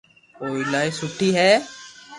او ايلائي سوٺي ھي